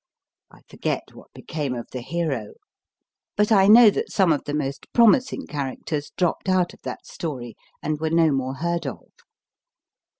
I forget what became of the hero, but I know that some of the most promising characters dropped out of that story, and were no more heard of.